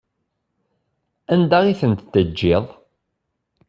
Anda i tent-teǧǧiḍ?